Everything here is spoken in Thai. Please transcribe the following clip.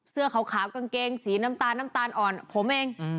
อ๋อเสื้อขาวกางเกงสีน้ำตาลอ่อนผมเอง